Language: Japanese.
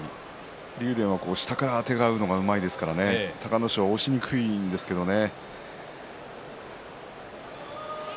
竜電は下からあてがうのがうまいですからね隆の勝は押しにくいんですけどね。